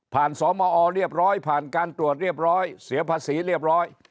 สมอเรียบร้อยผ่านการตรวจเรียบร้อยเสียภาษีเรียบร้อย